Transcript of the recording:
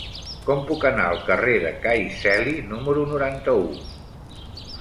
Com puc anar al carrer de Cai Celi número noranta-u?